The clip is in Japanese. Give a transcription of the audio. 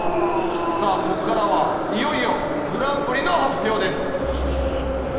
ここからはいよいよグランプリの発表です！